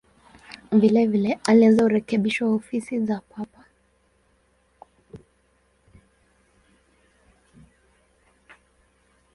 Vilevile alianza urekebisho wa ofisi za Papa.